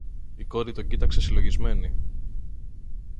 Η κόρη τον κοίταξε συλλογισμένη.